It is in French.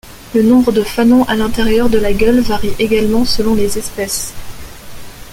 Le nombre de fanons à l'intérieur de la gueule varie également selon les espèces.